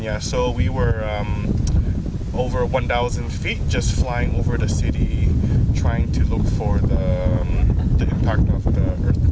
jadi kami berada sekitar seribu kaki hanya berlari di kota ini mencoba untuk mencari dampak gempa